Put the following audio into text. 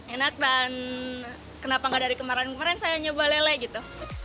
enak dan kenapa gak dari kemarin kemarin saya nyoba lele gitu